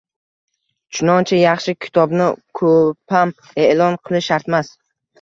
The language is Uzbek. Chunonchi, yaxshi kitobni ko‘pam e’lon qilish shartmas.